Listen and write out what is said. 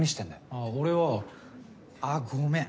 あぁ俺はあっごめん。